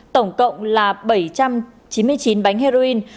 tổng cộng là bảy trăm chín mươi chín bánh heroin